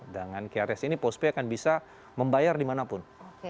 dengan krs ini postpay akan bisa membayar di mana pun